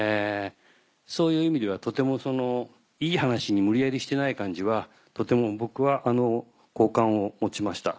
そういう意味ではとてもいい話に無理やりしてない感じはとても僕は好感を持ちました。